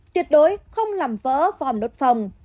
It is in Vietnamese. tuyệt đối không làm vỡ vòng nốt phòng